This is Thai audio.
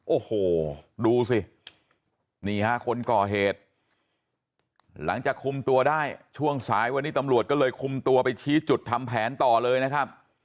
โอ้โหดูสินี่ฮะคนก่อเหตุหลังจากคุมตัวได้ช่วงสายวันนี้ตำรวจก็เลยคุมตัวไปชี้จุดทำแผนต่อเลยนะครับ